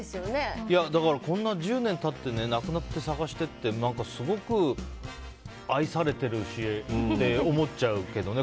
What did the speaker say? こんな１０年経ってなくなって探してってすごく愛されてるしって思っちゃうけどね。